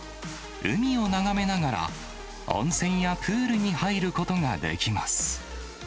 海を眺めながら、温泉やプールに入ることができます。